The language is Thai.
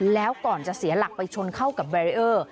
แล้วก่อนจะเสียหลักไปชนเข้ากับแบรีเออร์